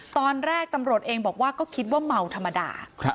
ตอนแรกตำรวจเองบอกว่าก็คิดว่าเมาธรรมดา